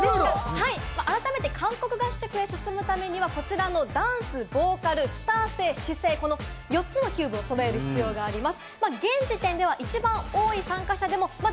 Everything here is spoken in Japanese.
改めて、韓国合宿へ進むためには、こちらのダンス、ボーカル、スター性、姿勢、この４つのキューブを揃える必要があります。